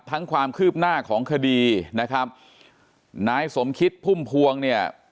ความคืบหน้าของคดีนะครับนายสมคิดพุ่มพวงเนี่ย